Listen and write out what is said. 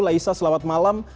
laisa selamat malam